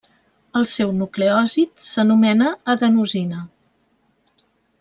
El seu nucleòsid s'anomena adenosina.